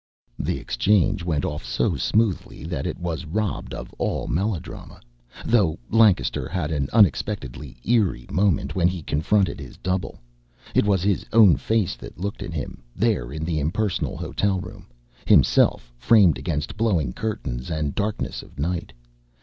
The exchange went off so smoothly that it was robbed of all melodrama, though Lancaster had an unexpectedly eerie moment when he confronted his double. It was his own face that looked at him, there in the impersonal hotel room, himself framed against blowing curtains and darkness of night.